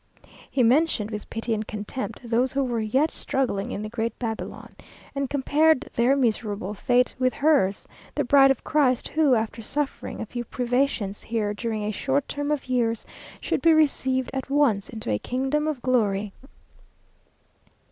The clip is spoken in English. He mentioned with pity and contempt those who were "yet struggling in the great Babylon;" and compared their miserable fate with hers, the Bride of Christ, who, after suffering a few privations here during a short term of years, should be received at once into a kingdom of glory.